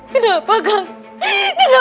tidak ada yang bisa dihukum